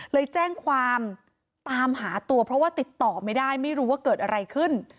เลยแจ้งความตามหาตัวเพราะว่าติดต่อไม่ได้ไม่รู้ว่าเกิดอะไรขึ้น